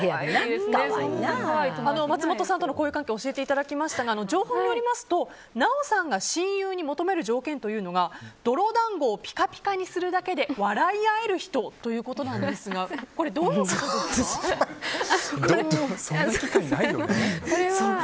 松本さんとの交友関係教えてくださいましたが情報によりますと奈緒さんが親友に求める条件というのが泥団子をピカピカにするだけで笑い合える人ということですがこれはどういうことですか？